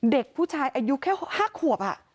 เด็กผู้ชายอายุแค่๕ขวบ